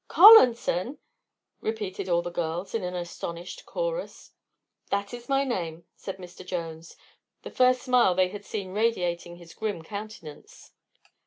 "Collanson!" repeated all the girls, in an astonished chorus. "That is my name," said Mr. Jones, the first smile they had seen radiating his grim countenance.